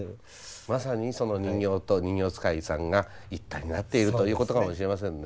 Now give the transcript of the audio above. まさにその人形と人形遣いさんが一体になっているということかもしれませんね。